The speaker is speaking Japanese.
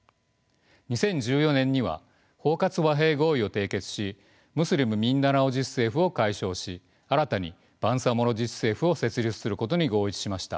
２０１４年には包括和平合意を締結しムスリム・ミンダナオ自治政府を解消し新たにバンサモロ自治政府を設立することに合意しました。